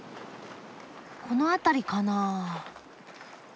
この辺りかな？